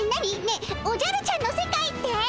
ねえおじゃるちゃんの世界って？